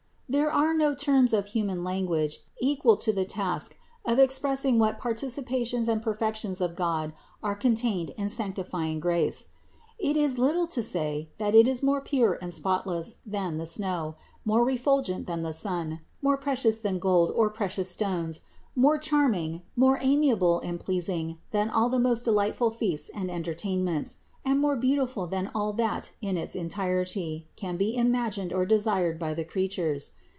229. There are no terms of human language equal to the task of expressing what participations and perfec tions of God are contained in sanctifying grace. It is little to say that it is more pure and spotless than the snow; more refulgent than the sun; more precious than gold or precious stones, more charming, more amiable and pleasing than all the most delightful feasts and en tertainments, and more beautiful than all that in its en tirety can be imagined or desired by the creatures.